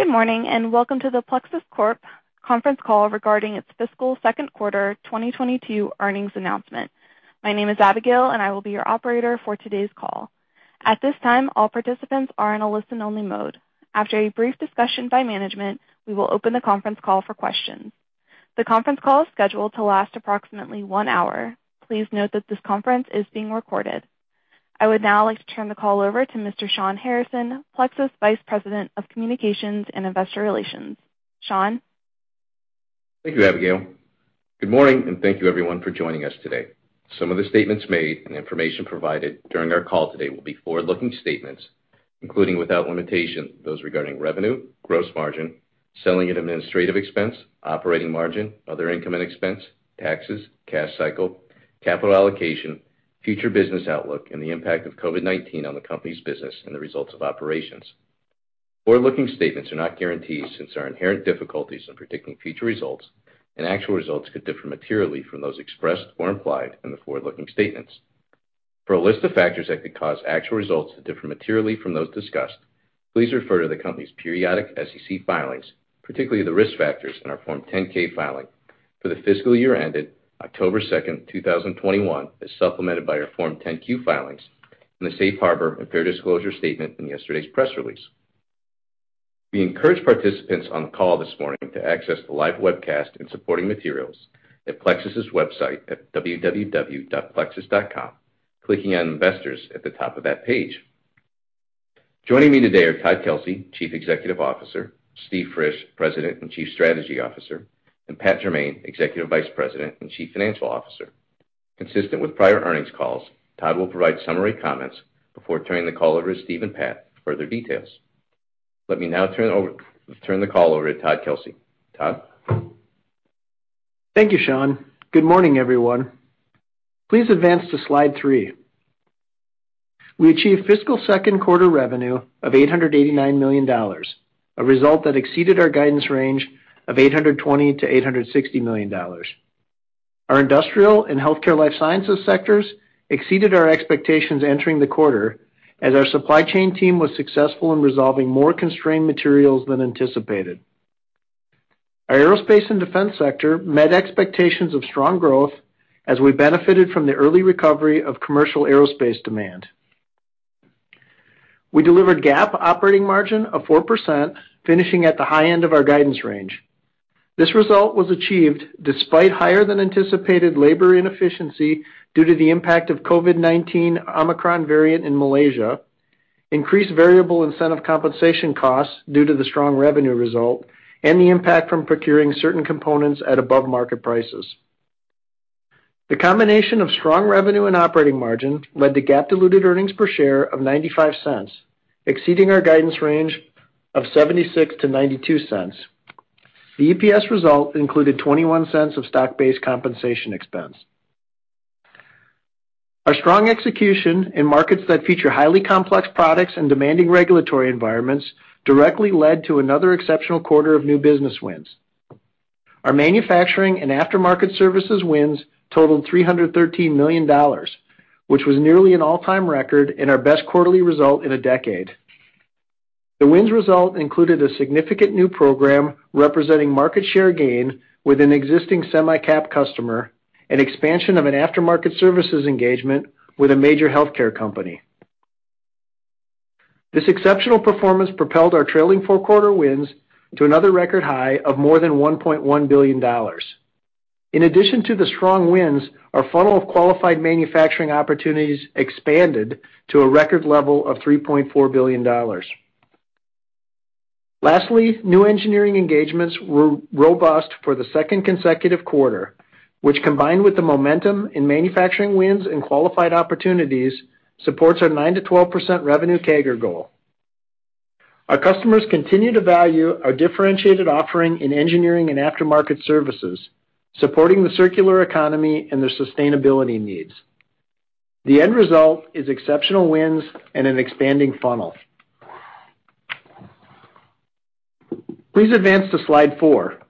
Good morning, and welcome to the Plexus Corp. conference call regarding its fiscal second quarter 2022 earnings announcement. My name is Abigail, and I will be your operator for today's call. At this time, all participants are in a listen-only mode. After a brief discussion by management, we will open the conference call for questions. The conference call is scheduled to last approximately one hour. Please note that this conference is being recorded. I would now like to turn the call over to Mr. Shawn Harrison, Plexus Vice President of Communications and Investor Relations. Shawn? Thank you, Abigail. Good morning, and thank you, everyone, for joining us today. Some of the statements made and information provided during our call today will be forward-looking statements, including without limitation, those regarding revenue, gross margin, selling and administrative expense, operating margin, other income and expense, taxes, cash cycle, capital allocation, future business outlook, and the impact of COVID-19 on the company's business and the results of operations. Forward-looking statements are not guarantees since there are inherent difficulties in predicting future results, and actual results could differ materially from those expressed or implied in the forward-looking statements. For a list of factors that could cause actual results to differ materially from those discussed, please refer to the company's periodic SEC filings, particularly the Risk Factors in our Form 10-K filing for the fiscal year ended October 2nd, 2021 as supplemented by our Form 10-Q filings in the Safe Harbor and Fair Disclosure statement in yesterday's press release. We encourage participants on call this morning to access the live webcast and supporting materials at Plexus's website at www.plexus.com, clicking on Investors at the top of that page. Joining me today are Todd Kelsey, Chief Executive Officer, Steve Frisch, President and Chief Strategy Officer, and Pat Jermain, Executive Vice President and Chief Financial Officer. Consistent with prior earnings calls, Todd will provide summary comments before turning the call over to Steve and Pat for further details. Let me now turn the call over to Todd Kelsey. Todd? Thank you, Shawn. Good morning, everyone. Please advance to slide three. We achieved fiscal second quarter revenue of $889 million, a result that exceeded our guidance range of $820 million-$860 million. Our industrial and healthcare life sciences sectors exceeded our expectations entering the quarter as our supply chain team was successful in resolving more constrained materials than anticipated. Our aerospace and defense sector met expectations of strong growth as we benefited from the early recovery of commercial aerospace demand. We delivered GAAP operating margin of 4%, finishing at the high end of our guidance range. This result was achieved despite higher than anticipated labor inefficiency due to the impact of COVID-19 Omicron variant in Malaysia, increased variable incentive compensation costs due to the strong revenue result, and the impact from procuring certain components at above-market prices. The combination of strong revenue and operating margin led to GAAP diluted earnings per share of $0.95, exceeding our guidance range of $0.76-$0.92. The EPS result included $0.21 of stock-based compensation expense. Our strong execution in markets that feature highly complex products and demanding regulatory environments directly led to another exceptional quarter of new business wins. Our manufacturing and aftermarket services wins totaled $313 million, which was nearly an all-time record and our best quarterly result in a decade. The wins result included a significant new program representing market share gain with an existing semi-cap customer and expansion of an aftermarket services engagement with a major healthcare company. This exceptional performance propelled our trailing four-quarter wins to another record high of more than $1.1 billion. In addition to the strong wins, our funnel of qualified manufacturing opportunities expanded to a record level of $3.4 billion. Lastly, new engineering engagements were robust for the second consecutive quarter, which combined with the momentum in manufacturing wins and qualified opportunities, supports our 9%-12% revenue CAGR goal. Our customers continue to value our differentiated offering in engineering and aftermarket services, supporting the circular economy and their sustainability needs. The end result is exceptional wins and an expanding funnel. Please advance to slide four.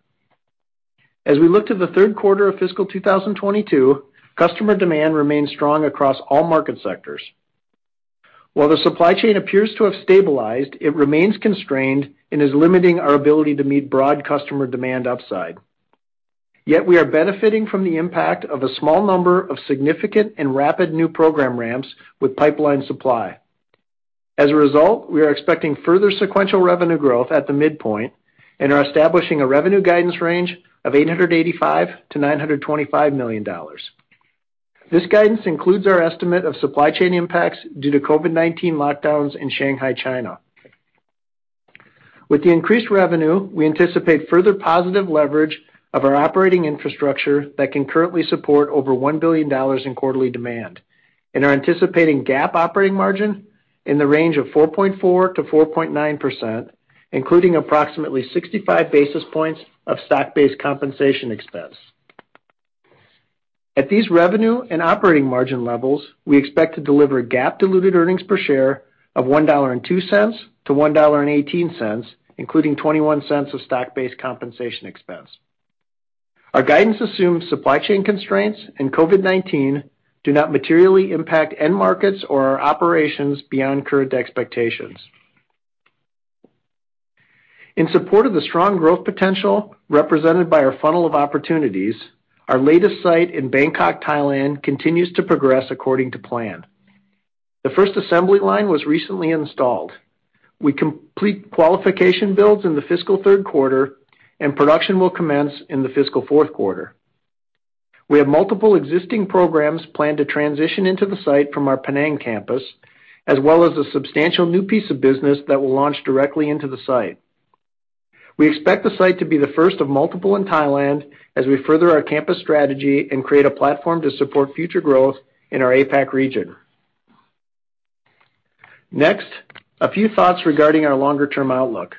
As we look to the third quarter of fiscal 2022, customer demand remains strong across all market sectors. While the supply chain appears to have stabilized, it remains constrained and is limiting our ability to meet broad customer demand upside. Yet we are benefiting from the impact of a small number of significant and rapid new program ramps with pipeline supply. As a result, we are expecting further sequential revenue growth at the midpoint and are establishing a revenue guidance range of $885 million-$925 million. This guidance includes our estimate of supply chain impacts due to COVID-19 lockdowns in Shanghai, China. With the increased revenue, we anticipate further positive leverage of our operating infrastructure that can currently support over $1 billion in quarterly demand and are anticipating GAAP operating margin in the range of 4.4%-4.9%, including approximately 65 basis points of stock-based compensation expense. At these revenue and operating margin levels, we expect to deliver GAAP diluted earnings per share of $1.02 to $1.18, including $0.21 of stock-based compensation expense. Our guidance assumes supply chain constraints and COVID-19 do not materially impact end markets or our operations beyond current expectations. In support of the strong growth potential represented by our funnel of opportunities, our latest site in Bangkok, Thailand, continues to progress according to plan. The first assembly line was recently installed. We complete qualification builds in the fiscal third quarter, and production will commence in the fiscal fourth quarter. We have multiple existing programs planned to transition into the site from our Penang campus, as well as a substantial new piece of business that will launch directly into the site. We expect the site to be the first of multiple in Thailand as we further our campus strategy and create a platform to support future growth in our APAC region. Next, a few thoughts regarding our longer-term outlook.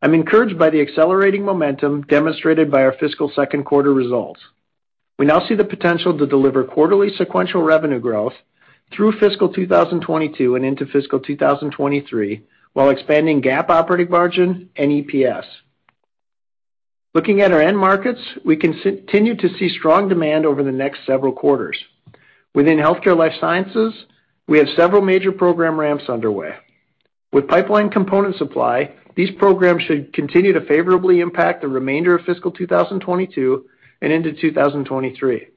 I'm encouraged by the accelerating momentum demonstrated by our fiscal second quarter results. We now see the potential to deliver quarterly sequential revenue growth through fiscal 2022 and into fiscal 2023, while expanding GAAP operating margin and EPS. Looking at our end markets, we continue to see strong demand over the next several quarters. Within healthcare life sciences, we have several major program ramps underway. With pipeline component supply, these programs should continue to favorably impact the remainder of fiscal 2022 and into 2023.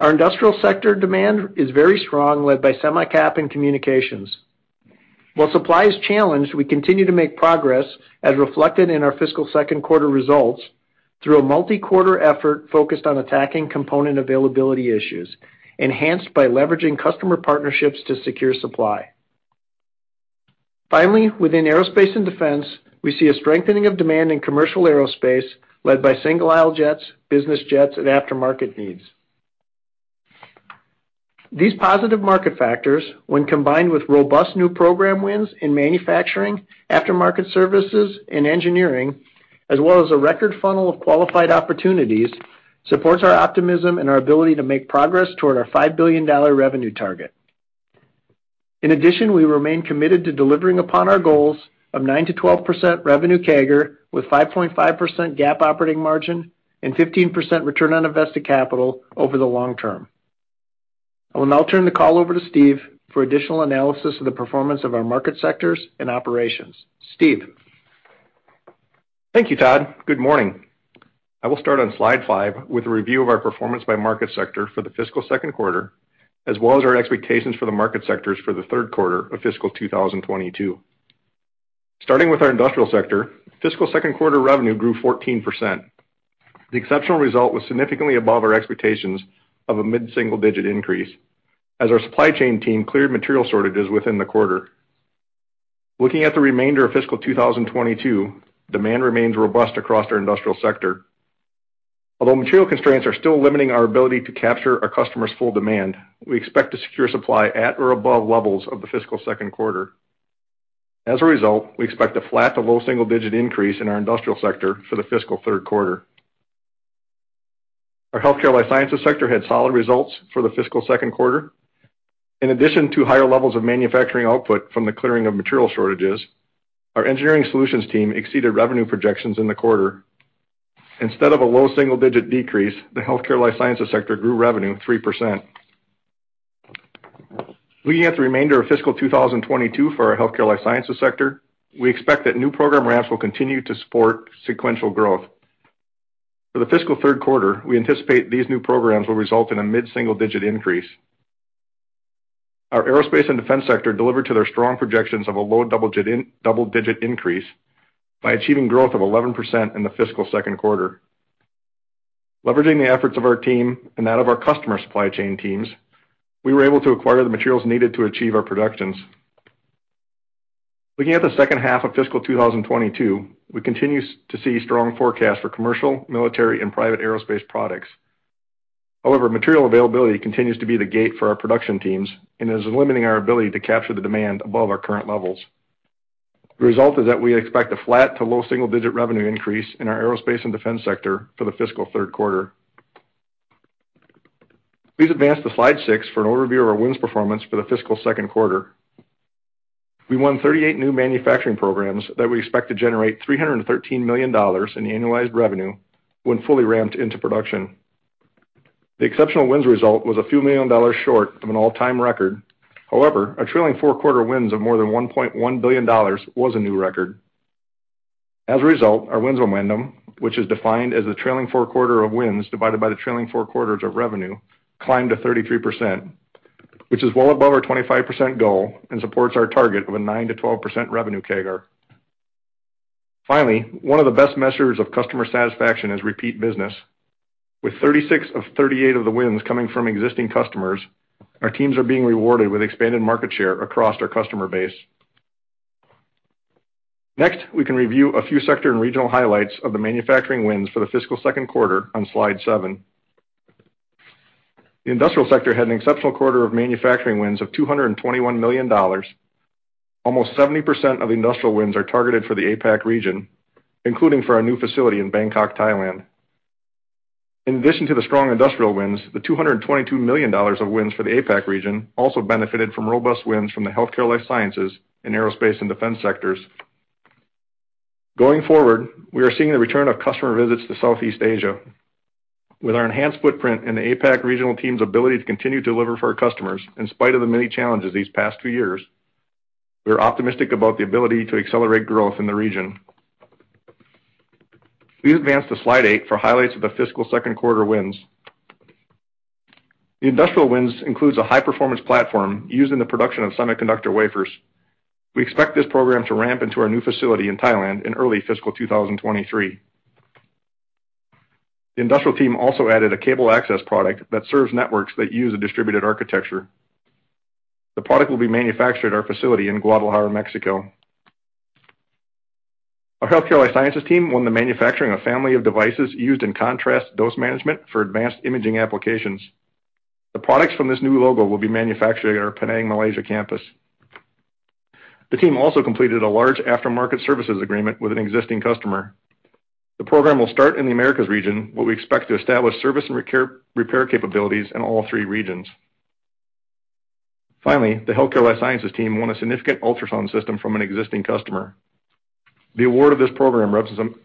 Our industrial sector demand is very strong, led by semi-cap and communications. While supply is challenged, we continue to make progress, as reflected in our fiscal second quarter results, through a multi-quarter effort focused on attacking component availability issues, enhanced by leveraging customer partnerships to secure supply. Finally, within aerospace and defense, we see a strengthening of demand in commercial aerospace led by single-aisle jets, business jets, and aftermarket needs. These positive market factors, when combined with robust new program wins in manufacturing, aftermarket services, and engineering, as well as a record funnel of qualified opportunities, supports our optimism and our ability to make progress toward our $5 billion revenue target. In addition, we remain committed to delivering upon our goals of 9%-12% revenue CAGR, with 5.5% GAAP operating margin and 15% return on invested capital over the long term. I will now turn the call over to Steve for additional analysis of the performance of our market sectors and operations. Steve? Thank you, Todd. Good morning. I will start on slide five with a review of our performance by market sector for the fiscal second quarter, as well as our expectations for the market sectors for the third quarter of fiscal 2022. Starting with our industrial sector, fiscal second quarter revenue grew 14%. The exceptional result was significantly above our expectations of a mid-single-digit increase as our supply chain team cleared material shortages within the quarter. Looking at the remainder of fiscal 2022, demand remains robust across our industrial sector. Although material constraints are still limiting our ability to capture our customers' full demand, we expect to secure supply at or above levels of the fiscal second quarter. As a result, we expect a flat to low single-digit increase in our industrial sector for the fiscal third quarter. Our healthcare life sciences sector had solid results for the fiscal second quarter. In addition to higher levels of manufacturing output from the clearing of material shortages, our engineering solutions team exceeded revenue projections in the quarter. Instead of a low single-digit decrease, the healthcare life sciences sector grew revenue 3%. Looking at the remainder of fiscal 2022 for our healthcare life sciences sector, we expect that new program ramps will continue to support sequential growth. For the fiscal third quarter, we anticipate these new programs will result in a mid-single-digit increase. Our aerospace and defense sector delivered to their strong projections of a low double-digit increase by achieving growth of 11% in the fiscal second quarter. Leveraging the efforts of our team and that of our customer supply chain teams, we were able to acquire the materials needed to achieve our productions. Looking at the second half of fiscal 2022, we continue to see strong forecast for commercial, military, and private aerospace products. However, material availability continues to be the gate for our production teams and is limiting our ability to capture the demand above our current levels. The result is that we expect a flat to low single-digit% revenue increase in our Aerospace and Defense sector for the fiscal third quarter. Please advance to slide 6 for an overview of our wins performance for the fiscal second quarter. We won 38 new manufacturing programs that we expect to generate $313 million in annualized revenue when fully ramped into production. The exceptional wins result was a few million dollars short of an all-time record. However, our trailing four-quarter wins of more than $1.1 billion was a new record. As a result, our wins on revenue, which is defined as the trailing four-quarter wins divided by the trailing four-quarter revenue, climbed to 33%, which is well above our 25% goal and supports our target of a 9%-12% revenue CAGR. Finally, one of the best measures of customer satisfaction is repeat business. With 36 of 38 of the wins coming from existing customers, our teams are being rewarded with expanded market share across our customer base. Next, we can review a few sector and regional highlights of the manufacturing wins for the fiscal second quarter on slide seven. The industrial sector had an exceptional quarter of manufacturing wins of $221 million. Almost 70% of industrial wins are targeted for the APAC region, including for our new facility in Bangkok, Thailand. In addition to the strong industrial wins, the $222 million of wins for the APAC region also benefited from robust wins from the healthcare life sciences and aerospace and defense sectors. Going forward, we are seeing the return of customer visits to Southeast Asia. With our enhanced footprint and the APAC regional team's ability to continue to deliver for our customers, in spite of the many challenges these past two years, we're optimistic about the ability to accelerate growth in the region. Please advance to slide eight for highlights of the fiscal second quarter wins. The industrial wins includes a high-performance platform used in the production of semiconductor wafers. We expect this program to ramp into our new facility in Thailand in early fiscal 2023. The industrial team also added a cable access product that serves networks that use a distributed architecture. The product will be manufactured at our facility in Guadalajara, Mexico. Our healthcare life sciences team won the manufacturing of family of devices used in contrast dose management for advanced imaging applications. The products from this new logo will be manufactured at our Penang, Malaysia campus. The team also completed a large aftermarket services agreement with an existing customer. The program will start in the Americas region, where we expect to establish service and repair capabilities in all three regions. Finally, the healthcare life sciences team won a significant ultrasound system from an existing customer. The award of this program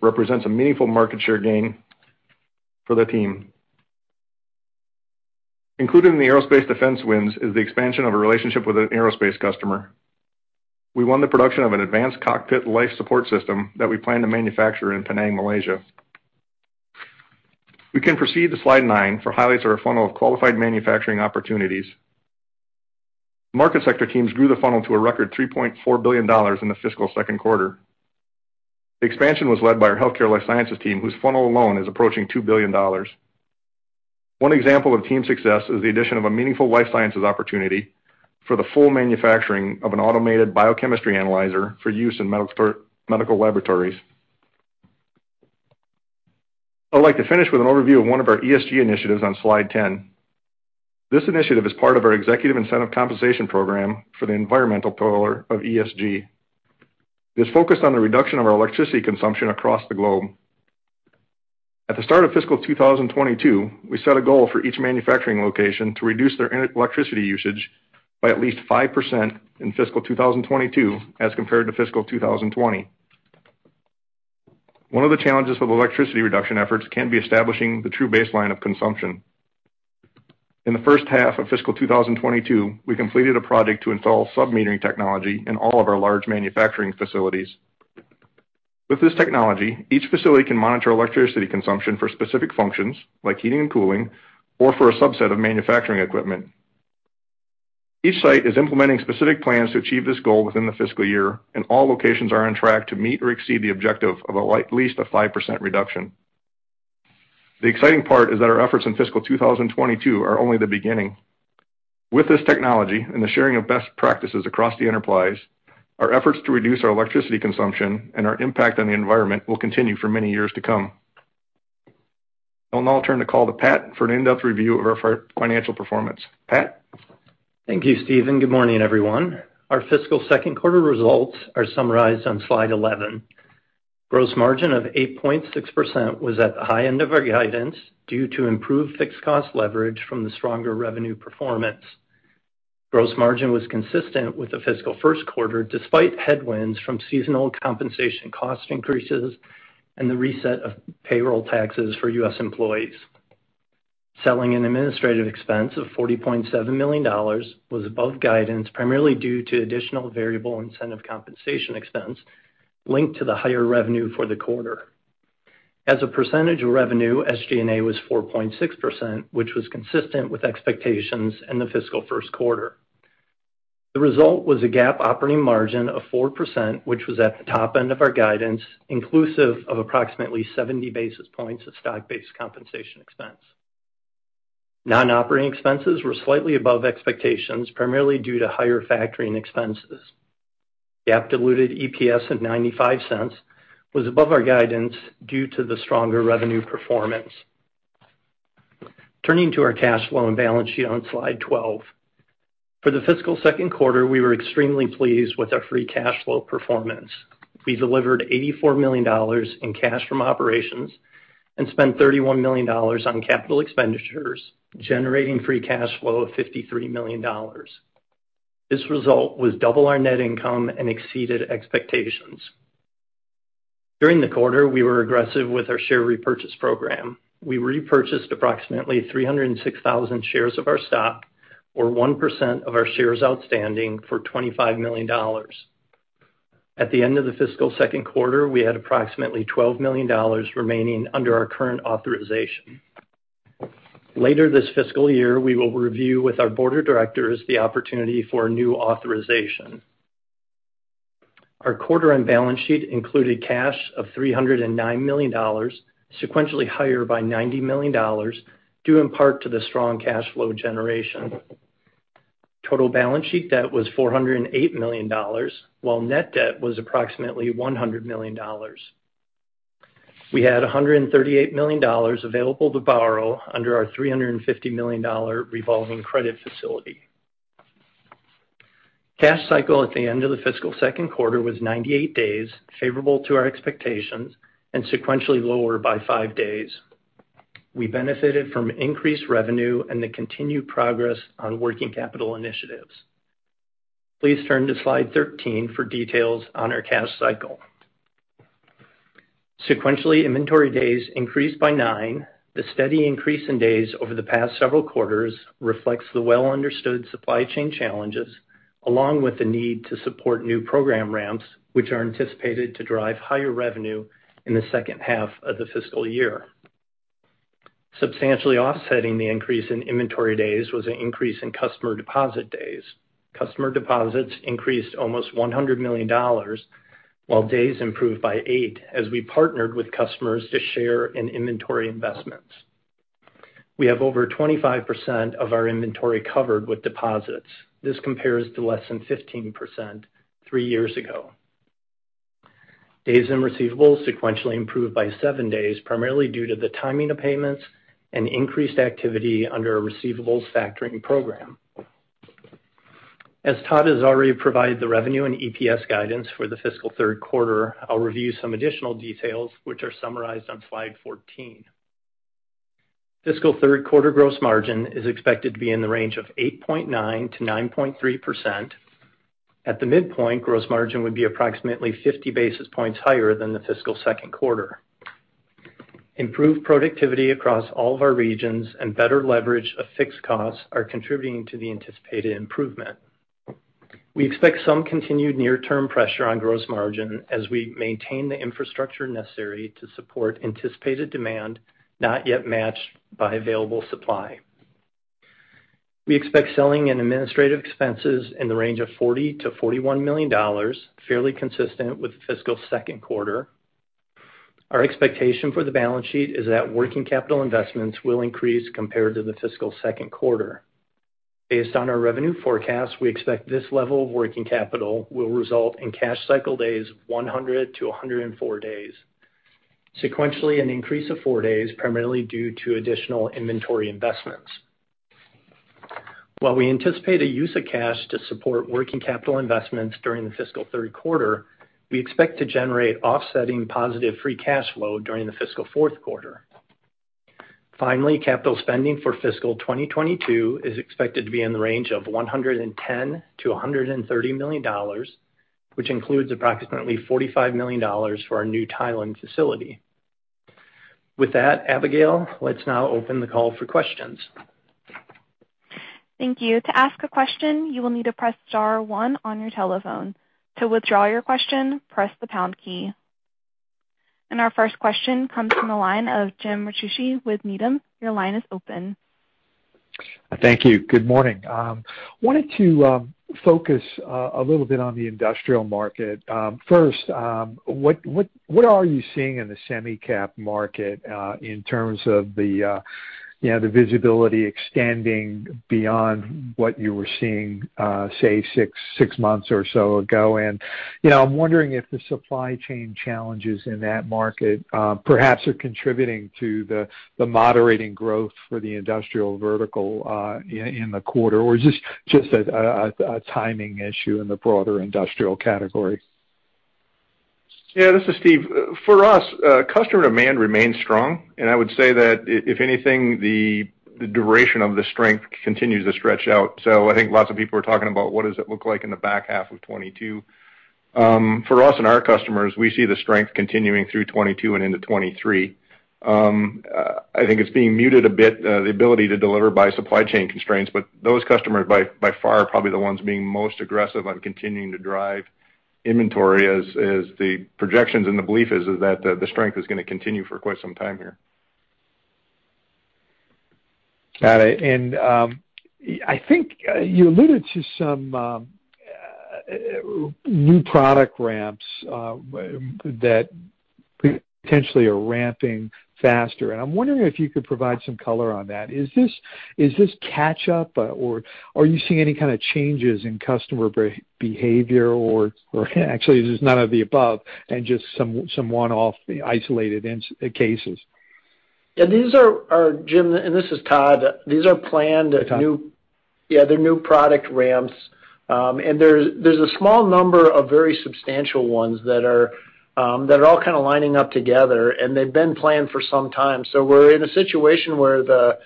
represents a meaningful market share gain for the team. Included in the aerospace defense wins is the expansion of a relationship with an aerospace customer. We won the production of an advanced cockpit life support system that we plan to manufacture in Penang, Malaysia. We can proceed to slide nine for highlights of our funnel of qualified manufacturing opportunities. Market sector teams grew the funnel to a record $3.4 billion in the fiscal second quarter. The expansion was led by our healthcare life sciences team, whose funnel alone is approaching $2 billion. One example of team success is the addition of a meaningful life sciences opportunity for the full manufacturing of an automated biochemistry analyzer for use in medical laboratories. I'd like to finish with an overview of one of our ESG initiatives on slide 10. This initiative is part of our executive incentive compensation program for the environmental pillar of ESG. It is focused on the reduction of our electricity consumption across the globe. At the start of fiscal 2022, we set a goal for each manufacturing location to reduce their electricity usage by at least 5% in fiscal 2022 as compared to fiscal 2020. One of the challenges with electricity reduction efforts can be establishing the true baseline of consumption. In the first half of fiscal 2022, we completed a project to install sub-metering technology in all of our large manufacturing facilities. With this technology, each facility can monitor electricity consumption for specific functions like heating and cooling, or for a subset of manufacturing equipment. Each site is implementing specific plans to achieve this goal within the fiscal year, and all locations are on track to meet or exceed the objective of at least a 5% reduction. The exciting part is that our efforts in fiscal 2022 are only the beginning. With this technology and the sharing of best practices across the enterprise, our efforts to reduce our electricity consumption and our impact on the environment will continue for many years to come. I'll now turn the call to Pat for an in-depth review of our financial performance. Pat? Thank you, Steven. Good morning, everyone. Our fiscal second quarter results are summarized on slide 11. Gross margin of 8.6% was at the high end of our guidance due to improved fixed cost leverage from the stronger revenue performance. Gross margin was consistent with the fiscal first quarter, despite headwinds from seasonal compensation cost increases and the reset of payroll taxes for U.S. employees. Selling and administrative expense of $40.7 million was above guidance, primarily due to additional variable incentive compensation expense linked to the higher revenue for the quarter. As a percentage of revenue, SG&A was 4.6%, which was consistent with expectations in the fiscal first quarter. The result was a GAAP operating margin of 4%, which was at the top end of our guidance, inclusive of approximately 70 basis points of stock-based compensation expense. Non-operating expenses were slightly above expectations, primarily due to higher factoring expenses. GAAP diluted EPS at $0.95 was above our guidance due to the stronger revenue performance. Turning to our cash flow and balance sheet on slide 12. For the fiscal second quarter, we were extremely pleased with our free cash flow performance. We delivered $84 million in cash from operations and spent $31 million on capital expenditures, generating free cash flow of $53 million. This result was double our net income and exceeded expectations. During the quarter, we were aggressive with our share repurchase program. We repurchased approximately 306,000 shares of our stock, or 1% of our shares outstanding, for $25 million. At the end of the fiscal second quarter, we had approximately $12 million remaining under our current authorization. Later this fiscal year, we will review with our board of directors the opportunity for a new authorization. Our quarter-end balance sheet included cash of $309 million, sequentially higher by $90 million, due in part to the strong cash flow generation. Total balance sheet debt was $408 million, while net debt was approximately $100 million. We had $138 million available to borrow under our $350 million revolving credit facility. Cash cycle at the end of the fiscal second quarter was 98 days, favorable to our expectations and sequentially lower by five days. We benefited from increased revenue and the continued progress on working capital initiatives. Please turn to slide 13 for details on our cash cycle. Sequentially, inventory days increased by nine. The steady increase in days over the past several quarters reflects the well-understood supply chain challenges, along with the need to support new program ramps, which are anticipated to drive higher revenue in the second half of the fiscal year. Substantially offsetting the increase in inventory days was an increase in customer deposit days. Customer deposits increased almost $100 million, while days improved by eight as we partnered with customers to share in inventory investments. We have over 25% of our inventory covered with deposits. This compares to less than 15% three years ago. Days in receivables sequentially improved by seven days, primarily due to the timing of payments and increased activity under a receivables factoring program. As Todd has already provided the revenue and EPS guidance for the fiscal third quarter, I'll review some additional details which are summarized on slide 14. Fiscal third quarter gross margin is expected to be in the range of 8.9%-9.3%. At the midpoint, gross margin would be approximately 50 basis points higher than the fiscal second quarter. Improved productivity across all of our regions and better leverage of fixed costs are contributing to the anticipated improvement. We expect some continued near-term pressure on gross margin as we maintain the infrastructure necessary to support anticipated demand, not yet matched by available supply. We expect selling and administrative expenses in the range of $40 million-$41 million, fairly consistent with the fiscal second quarter. Our expectation for the balance sheet is that working capital investments will increase compared to the fiscal second quarter. Based on our revenue forecast, we expect this level of working capital will result in cash cycle days 100-104 days. Sequentially, an increase of four days, primarily due to additional inventory investments. While we anticipate a use of cash to support working capital investments during the fiscal third quarter, we expect to generate offsetting positive free cash flow during the fiscal fourth quarter. Finally, capital spending for fiscal 2022 is expected to be in the range of $110 million-$130 million, which includes approximately $45 million for our new Thailand facility. With that, Abigail, let's now open the call for questions. Thank you. To ask a question, you will need to press star one on your telephone. To withdraw your question, press the pound key. Our first question comes from the line of Jim Ricchiuti with Needham. Your line is open. Thank you. Good morning. Wanted to focus a little bit on the industrial market. First, what are you seeing in the semi-cap market in terms of the, you know, the visibility extending beyond what you were seeing, say, six months or so ago? I'm wondering if the supply chain challenges in that market perhaps are contributing to the moderating growth for the industrial vertical in the quarter, or is this just a timing issue in the broader industrial category? Yeah, this is Steve. For us, customer demand remains strong, and I would say that if anything, the duration of the strength continues to stretch out. I think lots of people are talking about what does it look like in the back half of 2022. For us and our customers, we see the strength continuing through 2022 and into 2023. I think it's being muted a bit, the ability to deliver by supply chain constraints, but those customers by far are probably the ones being most aggressive on continuing to drive inventory as the projections and the belief is that the strength is gonna continue for quite some time here. Got it. I think you alluded to some new product ramps that potentially are ramping faster. I'm wondering if you could provide some color on that. Is this catch up or are you seeing any kind of changes in customer behavior or actually is this none of the above and just some one-off isolated cases? Yeah, these are Jim, and this is Todd. These are planned new- Hi, Todd. Yeah, they're new product ramps. There's a small number of very substantial ones that are all kind of lining up together, and they've been planned for some time. We're in a situation where the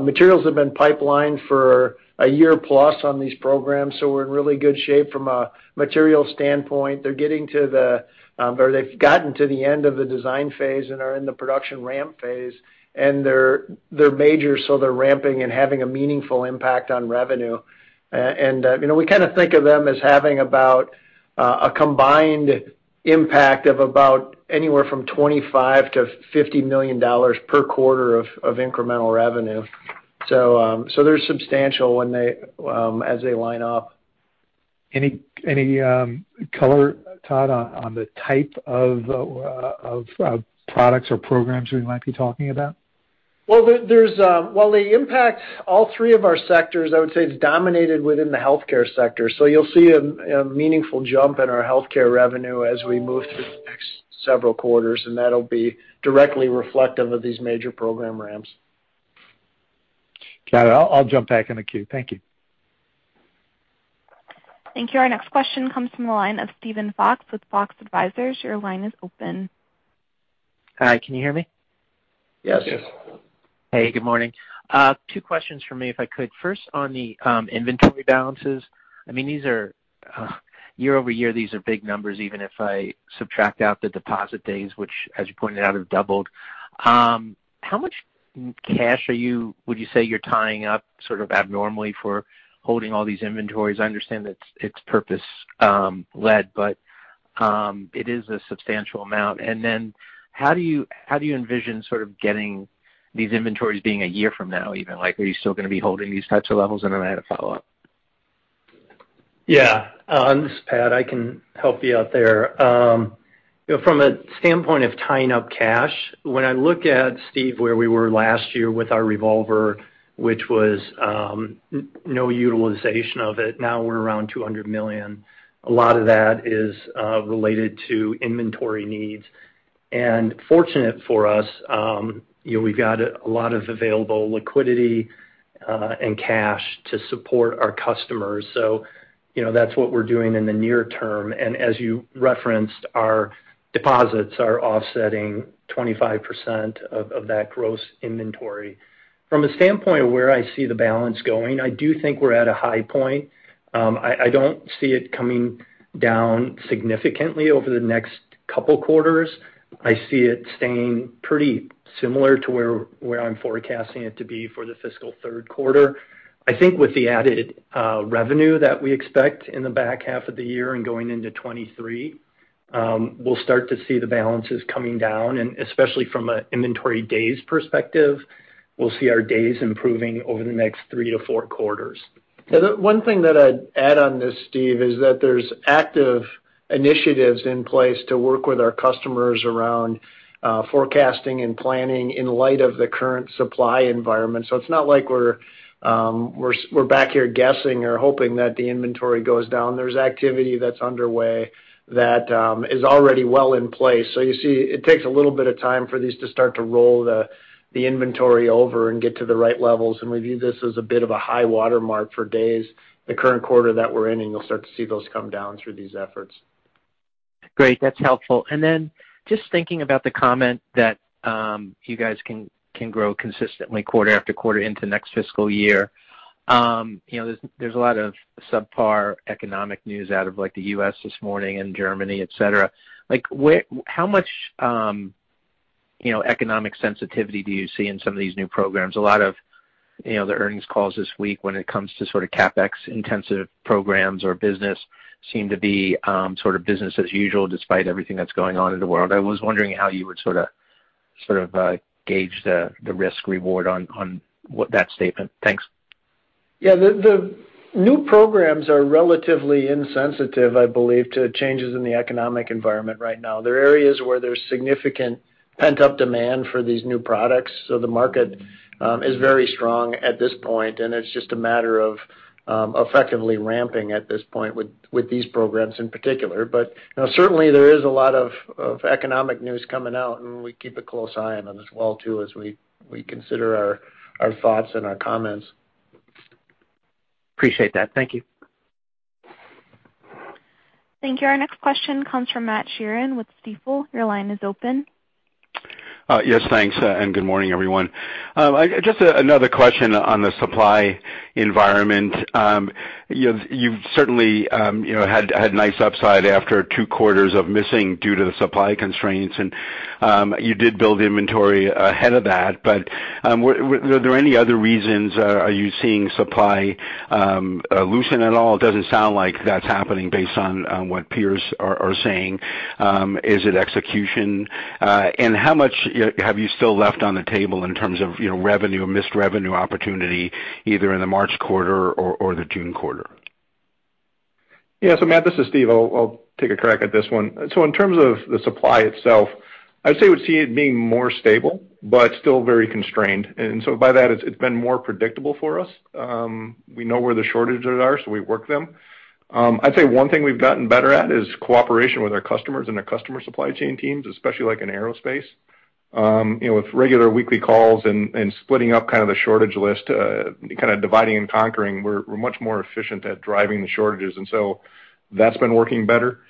materials have been pipelined for a year plus on these programs, so we're in really good shape from a material standpoint. They've gotten to the end of the design phase and are in the production ramp phase, and they're major, so they're ramping and having a meaningful impact on revenue. You know, we kinda think of them as having about a combined impact of about anywhere from $25 million-$50 million per quarter of incremental revenue. They're substantial when they, as they line up. Any color, Todd, on the type of products or programs we might be talking about? Well, while they impact all three of our sectors, I would say it's dominated within the healthcare sector. You'll see a meaningful jump in our healthcare revenue as we move through the next several quarters, and that'll be directly reflective of these major program ramps. Got it. I'll jump back in the queue. Thank you. Thank you. Our next question comes from the line of Steven Fox with Fox Advisors. Your line is open. Hi, can you hear me? Yes. Yes. Hey, good morning. Two questions from me, if I could. First on the inventory balances. I mean, these are year-over-year, these are big numbers, even if I subtract out the deposit days, which as you pointed out, have doubled. Would you say you're tying up sort of abnormally for holding all these inventories? I understand it's purpose-led, but it is a substantial amount. How do you envision sort of getting these inventories being a year from now even? Like, are you still gonna be holding these types of levels? I had a follow-up. Yeah. This is Pat. I can help you out there. You know, from a standpoint of tying up cash, when I look at, Steve, where we were last year with our revolver, which was, no utilization of it, now we're around $200 million. A lot of that is related to inventory needs. Fortunate for us, you know, we've got a lot of available liquidity and cash to support our customers. You know, that's what we're doing in the near term. As you referenced, our deposits are offsetting 25% of that gross inventory. From a standpoint of where I see the balance going, I do think we're at a high point. I don't see it coming down significantly over the next couple quarters. I see it staying pretty similar to where I'm forecasting it to be for the fiscal third quarter. I think with the added revenue that we expect in the back half of the year and going into 2023, we'll start to see the balances coming down. Especially from an inventory days perspective, we'll see our days improving over the next three to four quarters. The one thing that I'd add on this, Steve, is that there's active initiatives in place to work with our customers around forecasting and planning in light of the current supply environment. It's not like we're back here guessing or hoping that the inventory goes down. There's activity that's underway that is already well in place. You see, it takes a little bit of time for these to start to roll the inventory over and get to the right levels, and we view this as a bit of a high watermark for days the current quarter that we're in, and you'll start to see those come down through these efforts. Great. That's helpful. Then just thinking about the comment that you guys can grow consistently quarter after quarter into next fiscal year. You know, there's a lot of subpar economic news out of like the U.S. this morning and Germany, etc. Like where how much, you know, economic sensitivity do you see in some of these new programs? A lot of, you know, the earnings calls this week when it comes to sort of CapEx intensive programs or business seem to be sort of business as usual despite everything that's going on in the world. I was wondering how you would sort of gauge the risk reward on what that statement. Thanks. Yeah. The new programs are relatively insensitive, I believe, to changes in the economic environment right now. There are areas where there's significant pent-up demand for these new products, so the market is very strong at this point, and it's just a matter of effectively ramping at this point with these programs in particular. You know, certainly there is a lot of economic news coming out, and we keep a close eye on them as well too, as we consider our thoughts and our comments. Appreciate that. Thank you. Thank you. Our next question comes from Matt Sheerin with Stifel. Your line is open. Yes, thanks. Good morning, everyone. Just another question on the supply environment. You've certainly, you know, had nice upside after two quarters of missing due to the supply constraints. You did build inventory ahead of that. Were there any other reasons? Are you seeing supply loosen at all? It doesn't sound like that's happening based on what peers are saying. Is it execution? How much have you still left on the table in terms of, you know, revenue or missed revenue opportunity either in the March quarter or the June quarter? Yeah. Matt, this is Steve. I'll take a crack at this one. In terms of the supply itself, I'd say we see it being more stable, but still very constrained. By that, it's been more predictable for us. We know where the shortages are, so we work them. I'd say one thing we've gotten better at is cooperation with our customers and their customer supply chain teams, especially like in aerospace. You know, with regular weekly calls and splitting up kind of the shortage list, kind of dividing and conquering, we're much more efficient at driving the shortages. That's been working better.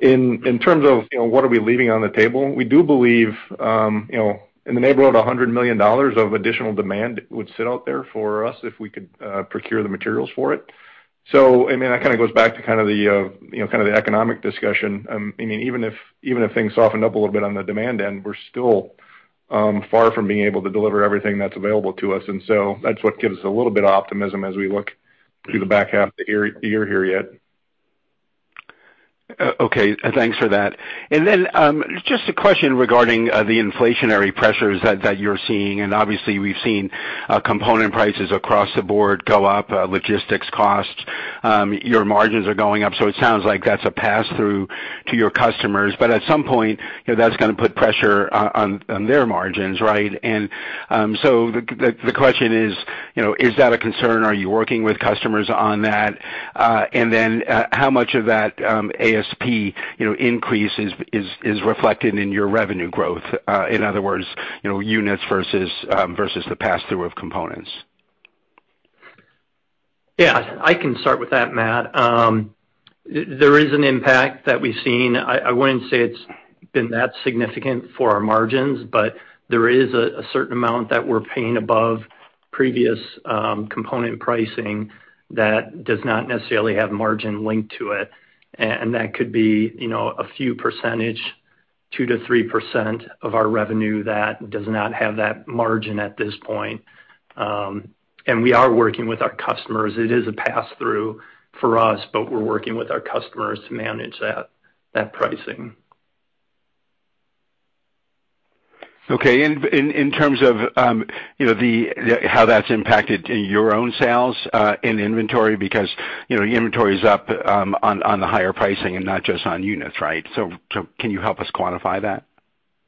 In terms of, you know, what are we leaving on the table, we do believe, you know, in the neighborhood of $100 million of additional demand would sit out there for us if we could procure the materials for it. I mean, that kind of goes back to kind of the economic discussion. I mean, even if things softened up a little bit on the demand end, we're still far from being able to deliver everything that's available to us. That's what gives a little bit of optimism as we look through the back half of the year, the year here yet. Okay. Thanks for that. Just a question regarding the inflationary pressures that you're seeing. Obviously, we've seen component prices across the board go up, logistics costs. Your margins are going up, so it sounds like that's a pass-through to your customers. At some point, you know, that's gonna put pressure on their margins, right? The question is, you know, is that a concern? Are you working with customers on that? How much of that ASP, you know, increase is reflected in your revenue growth? In other words, you know, units versus the pass-through of components. Yeah, I can start with that, Matt. There is an impact that we've seen. I wouldn't say it's been that significant for our margins, but there is a certain amount that we're paying above previous component pricing that does not necessarily have margin linked to it. That could be, you know, a few percentage, 2%-3% of our revenue that does not have that margin at this point. We are working with our customers. It is a pass-through for us, but we're working with our customers to manage that pricing. Okay. In terms of, you know, how that's impacted in your own sales, in inventory, because, you know, your inventory is up, on the higher pricing and not just on units, right? Can you help us quantify that?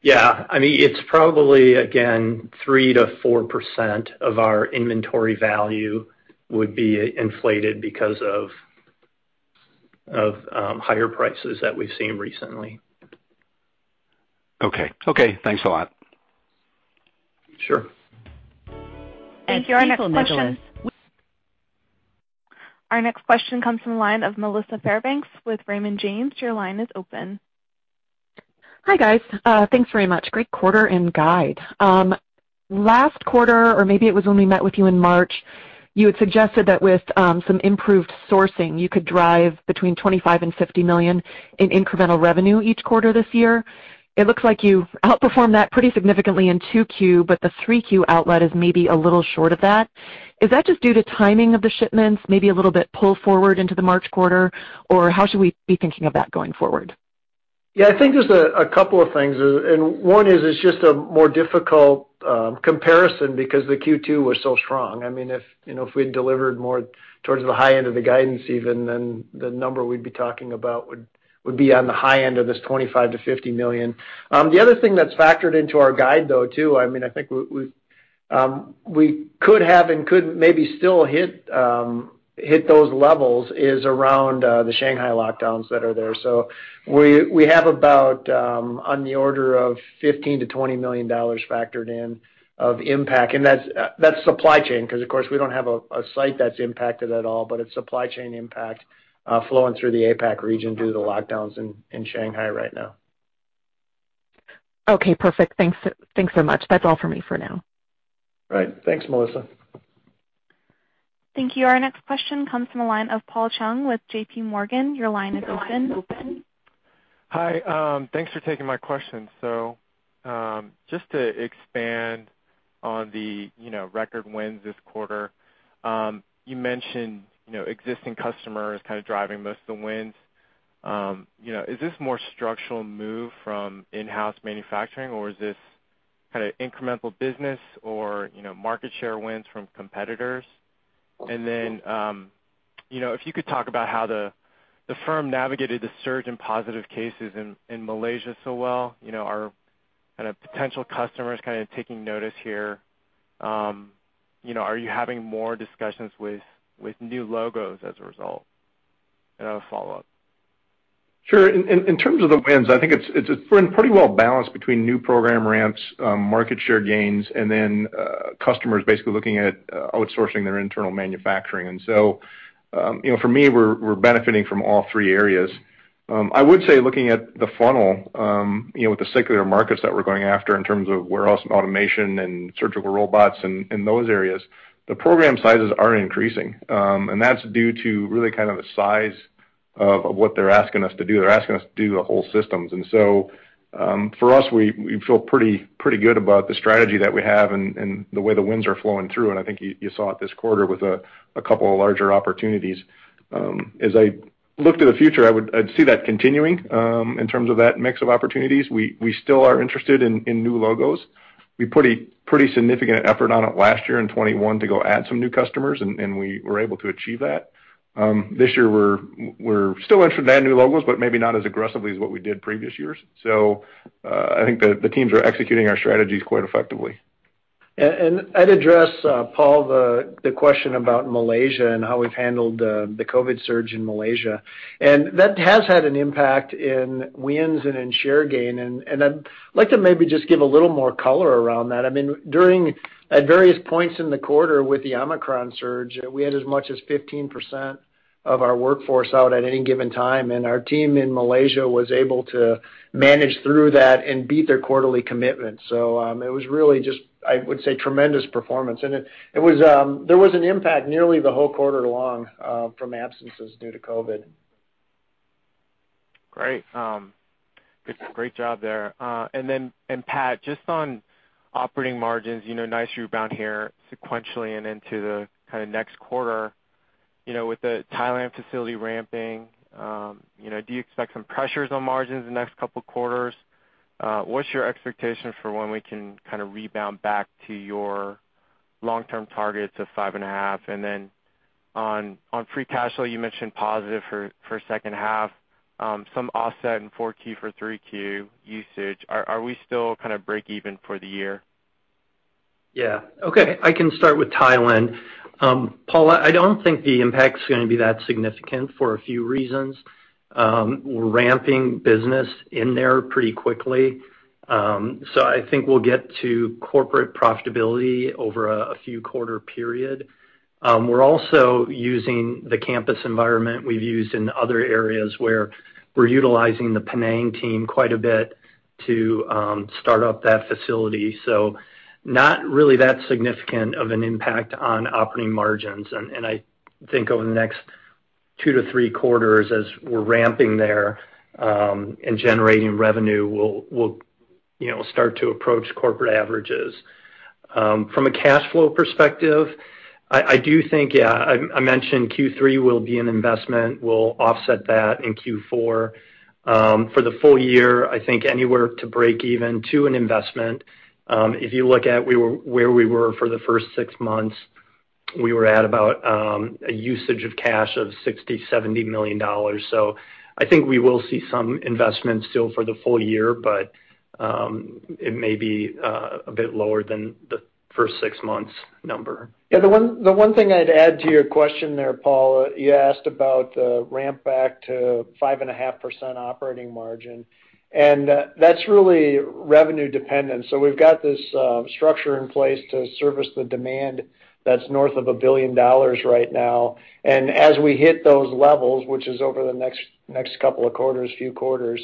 Yeah. I mean, it's probably, again, 3%-4% of our inventory value would be inflated because of higher prices that we've seen recently. Okay, thanks a lot. Sure. Thank you. Our next question comes from the line of Melissa Fairbanks with Raymond James. Your line is open. Hi, guys. Thanks very much. Great quarter and guide. Last quarter, or maybe it was when we met with you in March, you had suggested that with some improved sourcing, you could drive between $25 million and $50 million in incremental revenue each quarter this year. It looks like you've outperformed that pretty significantly in 2Q, but the 3Q outlook is maybe a little short of that. Is that just due to timing of the shipments, maybe a little bit pull forward into the March quarter? Or how should we be thinking of that going forward? Yeah, I think there's a couple of things. One is it's just a more difficult comparison because the Q2 was so strong. I mean, if you know, if we had delivered more towards the high end of the guidance even, then the number we'd be talking about would be on the high end of this $25 million-$50 million. The other thing that's factored into our guide, though, too, I mean, I think we could have and could maybe still hit those levels is around the Shanghai lockdowns that are there. We have about on the order of $15 million-$20 million factored in of impact. That's supply chain, because of course we don't have a site that's impacted at all, but it's supply chain impact flowing through the APAC region due to the lockdowns in Shanghai right now. Okay, perfect. Thanks, thanks so much. That's all for me for now. Right. Thanks, Melissa. Thank you. Our next question comes from the line of Paul Chung with JPMorgan. Your line is open. Hi. Thanks for taking my question. Just to expand on the, you know, record wins this quarter, you mentioned, you know, existing customers kind of driving most of the wins. You know, is this more structural move from in-house manufacturing, or is this kind of incremental business or, you know, market share wins from competitors? If you could talk about how the firm navigated the surge in positive cases in Malaysia so well, you know, are kind of potential customers kind of taking notice here? You know, are you having more discussions with new logos as a result? I have a follow-up. Sure. In terms of the wins, I think it's been pretty well balanced between new program ramps, market share gains, and then customers basically looking at outsourcing their internal manufacturing. You know, for me, we're benefiting from all three areas. I would say looking at the funnel, you know, with the secular markets that we're going after in terms of warehouse automation and surgical robots and those areas, the program sizes are increasing. That's due to really kind of the size of what they're asking us to do. They're asking us to do the whole systems. For us, we feel pretty good about the strategy that we have and the way the wins are flowing through. I think you saw it this quarter with a couple of larger opportunities. As I look to the future, I'd see that continuing in terms of that mix of opportunities. We still are interested in new logos. We put a pretty significant effort on it last year in 2021 to go add some new customers, and we were able to achieve that. This year, we're still interested to add new logos, but maybe not as aggressively as what we did previous years. I think the teams are executing our strategies quite effectively. I'd address Paul the question about Malaysia and how we've handled the COVID surge in Malaysia. That has had an impact in wins and in share gain. I'd like to maybe just give a little more color around that. I mean, during at various points in the quarter with the Omicron surge, we had as much as 15% of our workforce out at any given time, and our team in Malaysia was able to manage through that and beat their quarterly commitment. It was really just, I would say, tremendous performance. There was an impact nearly the whole quarter long from absences due to COVID. Great. Great job there. And then, Pat, just on operating margins, you know, nice rebound here sequentially and into the kind of next quarter. You know, with the Thailand facility ramping, you know, do you expect some pressures on margins the next couple quarters? What's your expectation for when we can kind of rebound back to your long-term targets of 5.5%? And then on free cash flow, you mentioned positive for second half, some offset in 4Q for 3Q usage. Are we still kind of break even for the year? Yeah. Okay, I can start with Thailand. Paul, I don't think the impact's gonna be that significant for a few reasons. We're ramping business in there pretty quickly. So I think we'll get to corporate profitability over a few quarter period. We're also using the campus environment we've used in other areas where we're utilizing the Penang team quite a bit to start up that facility. So not really that significant of an impact on operating margins. I think over the next two to three quarters as we're ramping there and generating revenue, we'll you know start to approach corporate averages. From a cash flow perspective, I do think yeah I mentioned Q3 will be an investment. We'll offset that in Q4. For the full year, I think anywhere to break even to an investment. If you look at where we were for the first six months, we were at about a usage of cash of $60 million-$70 million. I think we will see some investments still for the full year, but it may be a bit lower than the first six months number. Yeah, the one thing I'd add to your question there, Paul. You asked about ramp back to 5.5% operating margin, and that's really revenue dependent. We've got this structure in place to service the demand that's north of $1 billion right now. As we hit those levels, which is over the next couple of quarters, few quarters,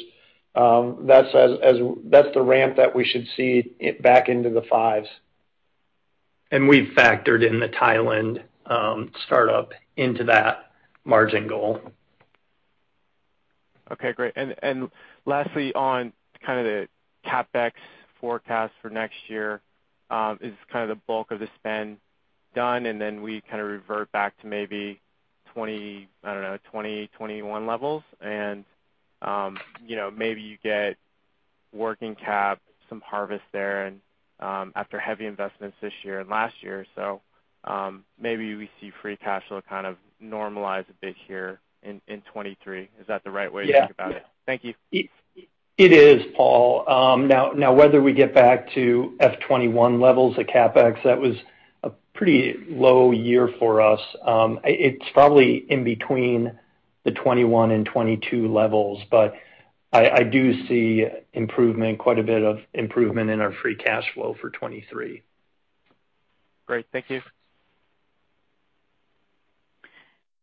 that's the ramp that we should see it back into the fives. We've factored in the Thailand startup into that margin goal. Okay, great. Lastly on kind of the CapEx forecast for next year, is kind of the bulk of the spend done, and then we kind of revert back to maybe 2021 levels and, you know, maybe you get working cap, some harvest there and, after heavy investments this year and last year, so, maybe we see free cash flow kind of normalize a bit here in 2023. Is that the right way to think about it? Yeah. Thank you. It is, Paul. Now whether we get back to FY 2021 levels of CapEx, that was a pretty low year for us. It's probably in between the 2021 and 2022 levels, but I do see improvement, quite a bit of improvement in our free cash flow for 2023. Great. Thank you.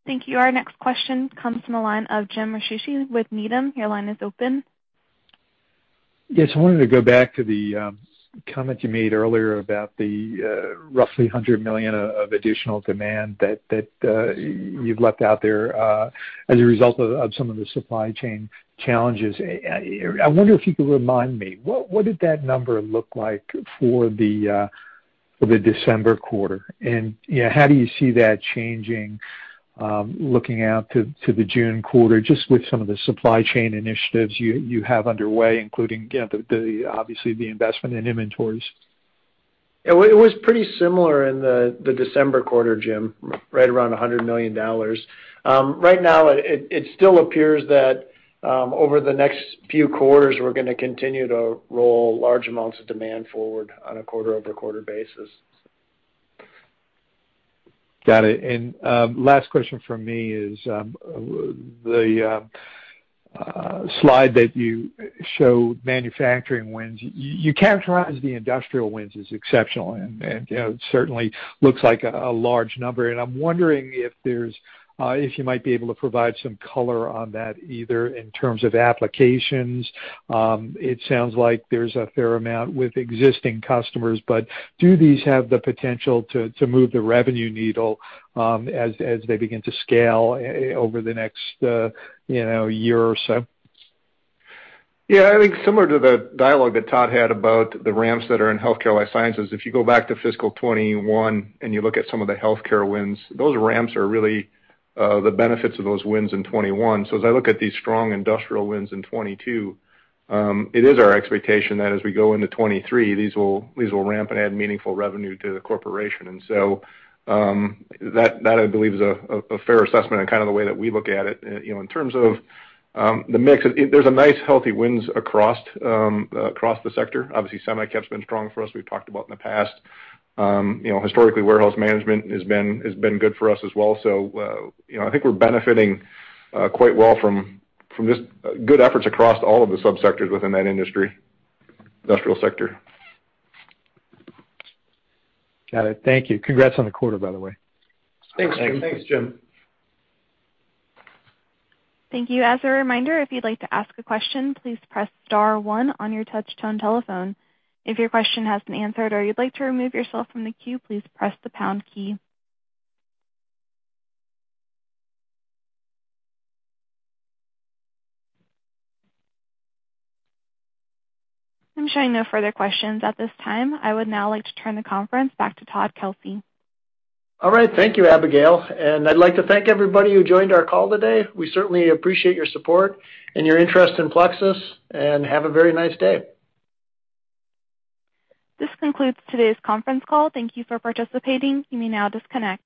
Thank you. Our next question comes from the line of Jim Ricchiuti with Needham. Your line is open. Yes, I wanted to go back to the comment you made earlier about the roughly $100 million of additional demand that you've left out there as a result of some of the supply chain challenges. I wonder if you could remind me, what did that number look like for the December quarter? You know, how do you see that changing looking out to the June quarter, just with some of the supply chain initiatives you have underway, including, you know, the obviously the investment in inventories? It was pretty similar in the December quarter, Jim, right around $100 million. Right now it still appears that over the next few quarters, we're gonna continue to roll large amounts of demand forward on a quarter-over-quarter basis. Got it. Last question from me is the slide that you show manufacturing wins. You characterize the industrial wins as exceptional and, you know, certainly looks like a large number. I'm wondering if you might be able to provide some color on that either in terms of applications. It sounds like there's a fair amount with existing customers, but do these have the potential to move the revenue needle as they begin to scale over the next, you know, year or so? I think similar to the dialogue that Todd had about the ramps that are in healthcare life sciences. If you go back to fiscal 2021, and you look at some of the healthcare wins, those ramps are really the benefits of those wins in 2021. As I look at these strong industrial wins in 2022, it is our expectation that as we go into 2023, these will ramp and add meaningful revenue to the corporation. That I believe is a fair assessment and kind of the way that we look at it. You know, in terms of the mix, there's a nice healthy wins across the sector. Obviously, semi-cap's been strong for us, we've talked about in the past. You know, historically, warehouse management has been good for us as well. you know, I think we're benefiting quite well from just good efforts across all of the subsectors within that industry, industrial sector. Got it. Thank you. Congrats on the quarter, by the way. Thanks, Jim. Thanks, Jim. Thank you. As a reminder, if you'd like to ask a question, please press star one on your touch tone telephone. If your question has been answered or you'd like to remove yourself from the queue, please press the pound key. I'm showing no further questions at this time. I would now like to turn the conference back to Todd Kelsey. All right. Thank you, Abigail, and I'd like to thank everybody who joined our call today. We certainly appreciate your support and your interest in Plexus, and have a very nice day. This concludes today's conference call. Thank you for participating. You may now disconnect.